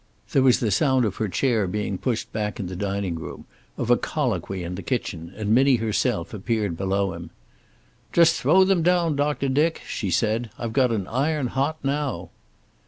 There was the sound of her chair being pushed back in the dining room, of a colloquy in the kitchen, and Minnie herself appeared below him. "Just throw them down, Doctor Dick," she said. "I've got an iron hot now."